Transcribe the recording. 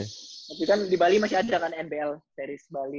tapi kan di bali masih ada kan nbl dari bali